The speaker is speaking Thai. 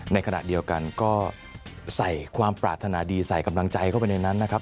ในขณะเดียวกันก็ใส่ความปรารถนาดีใส่กำลังใจเข้าไปในนั้นนะครับ